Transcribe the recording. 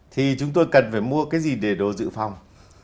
thì chúng tôi cần phải mua cái gì để đồ dự phòng